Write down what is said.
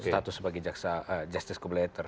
status sebagai jaksa justice cooperator